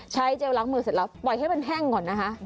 เจลล้างมือเสร็จแล้วปล่อยให้มันแห้งก่อนนะคะ